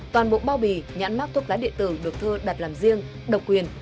toàn bộ bao bì nhãn mát thuốc lá điện tử được thơ đặt làm riêng độc quyền